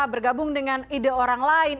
bergabung dengan ide orang lain